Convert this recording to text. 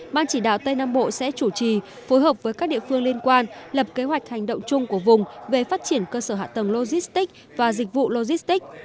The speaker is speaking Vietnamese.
ban chỉ đạo tây nam bộ sẽ chủ trì phối hợp với các địa phương liên quan lập kế hoạch hành động chung của vùng về phát triển cơ sở hạ tầng logistics và dịch vụ logistics